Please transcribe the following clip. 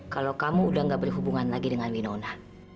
kalau kamu udah gak berhubungan lagi dengan winona